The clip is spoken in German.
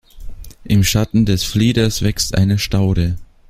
Im Schatten des Flieders wächst eine Staude.